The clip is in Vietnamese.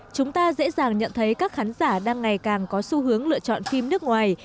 chúng ta dễ dàng nhận thấy các khán giả đang ngày càng có xu hướng lựa chọn phim nước ngoài